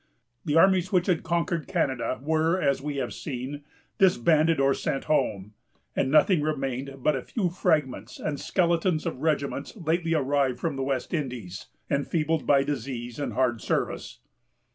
The armies which had conquered Canada were, as we have seen, disbanded or sent home, and nothing remained but a few fragments and skeletons of regiments lately arrived from the West Indies, enfeebled by disease and hard service.